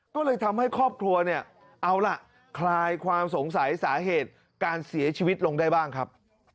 ก็เลยทำให้ครอบครัวเนี่ยเอาล่ะคลายความสงสัยสาเหตุการเสียชีวิตลงได้บ้างครับ